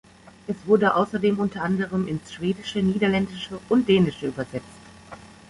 Es wurde außerdem unter anderem ins Schwedische, Niederländische und Dänische übersetzt.